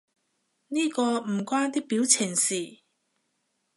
呢個唔關啲表情事